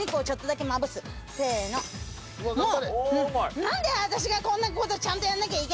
なんで私がこんな事ちゃんとやんなきゃいけないのよ。